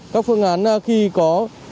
các phương án khi có